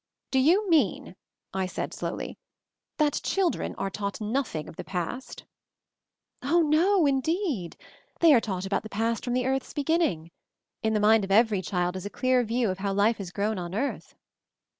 "Do you mean," I said slowly, "that chil dren are taught nothing of the past?" "Oh, no, indeed; they are taught about the past from the earth's beginning. In the mind of every child is a clear view of how Life has grown on earth."